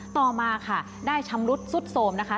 ต่อมาค่ะได้ชำรุดสุดโสมนะคะ